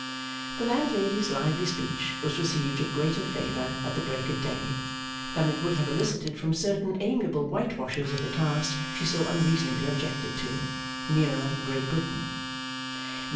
The landlady's lively speech was received with greater favour at the Break of Day, than it would have elicited from certain amiable whitewashers of the class she so unreasonably objected to, nearer Great Britain.